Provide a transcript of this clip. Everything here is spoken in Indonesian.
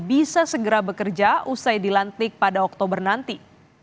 bisa segera bekerja usai dilantik pada oktober nanti